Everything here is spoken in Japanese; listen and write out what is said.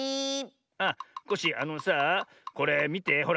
あっコッシーあのさあこれみてほら。